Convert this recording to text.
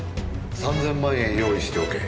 ３千万円用意しておけ。